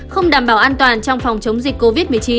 không đảm bảo an toàn trong phòng chống dịch covid một mươi chín